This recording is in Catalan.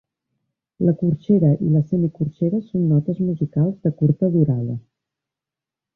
La corxera i la semicorxera són notes musicals de curta durada